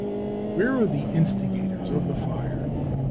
Where are the instigators of the fire?